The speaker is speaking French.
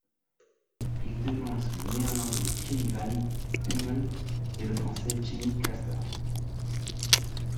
Il devance le Néerlandais Kenny van Hummel et le Français Jimmy Casper.